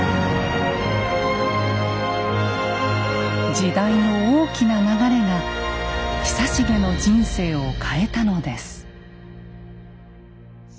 時代の大きな流れが久重の人生を変えたのです。